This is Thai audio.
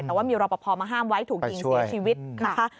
แต่ว่ามีรอปภมาห้ามไว้ถูกยิงเสียชีวิตนะคะ